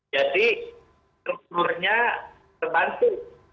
jadi kebetulannya terbantu